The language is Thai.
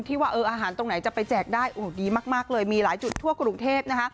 ว่าอาหารตรงไหนจะไปแจกได้ดีมากเลยมีหลายจุดทั่วกรุงเทพนะคะ